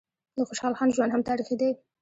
د خوشحال خان ژوند هم تاریخي دی.